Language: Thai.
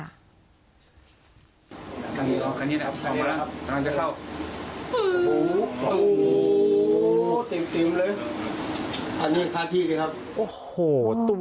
คันนี้นะครับเราออกมาแล้วครับถานจะเข้า